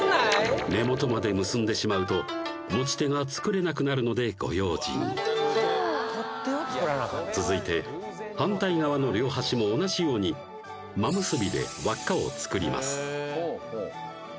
根元まで結んでしまうと持ち手が作れなくなるのでご用心続いて反対側の両端も同じように真結びで輪っかを作ります